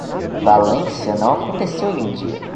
Valência não aconteceu em um dia.